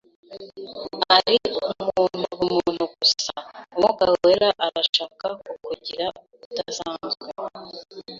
ari umuntu bumuntu gusa, Umwuka wera arashaka kukugira udasanzwe.